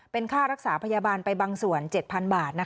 เป็นค่ารักษาพยาบาลไปบางส่วน๗๐๐บาท